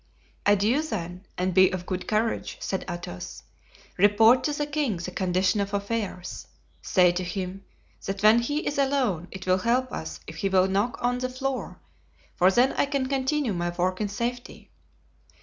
"Adieu, then, and be of good courage," said Athos. "Report to the king the condition of affairs. Say to him that when he is alone it will help us if he will knock on the floor, for then I can continue my work in safety.